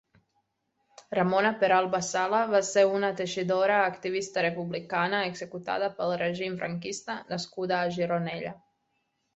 Ramona Peralba Sala va ser una teixidora, activista republicana executada pel règim franquista nascuda a Gironella.